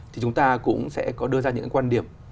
thì chúng ta cũng sẽ có đưa ra những cái quan điểm